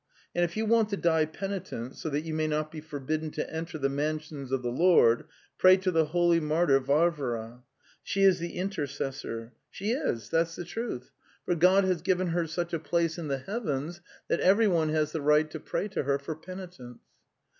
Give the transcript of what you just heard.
And if you want to die penitent, so that you may not be forbidden to enter the mansions of the Lord, pray to the holy martyr Varvara. She is the intercessor. She is, that's the 220 The Tales of Chekhov truth. ... For God has given her such a place in the heavens that everyone has the right to pray to her for penitence."